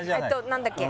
何だっけ